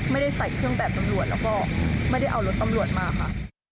ไม่ได้ใส่เครื่องแบบตำรวจแล้วก็ไม่ได้เอารถตำรวจมาค่ะ